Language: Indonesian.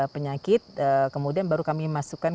penyakit kemudian baru kami masukkan